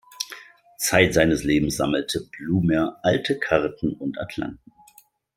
Zeit seines Lebens sammelte Blumer alte Karten und Atlanten.